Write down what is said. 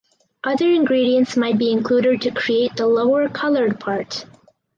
Other ingredients might be included to create the lower coloured part.